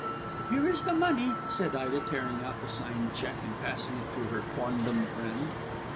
"Here is the money," said Ida tearing out the signed cheque and passing it to her quondam friend.